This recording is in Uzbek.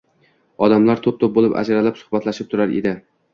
Odamlar toʻp-toʻp boʻlib ajralib, suhbatlashib turar edi.